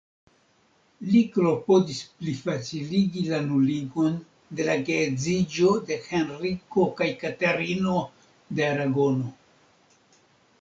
Li klopodis plifaciligi la nuligon de la geedziĝo de Henriko kaj Katerino de Aragono.